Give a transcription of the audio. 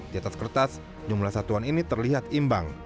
di atas kertas jumlah satuan ini terlihat imbang